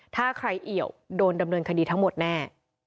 ถ้าใครเอี่ยวโดนดำเนินคดีทั้งหมดแน่